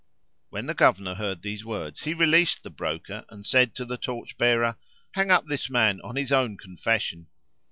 When the Governor heard these words he released the Broker and said to the torch bearer, "Hang up this man on his own confession."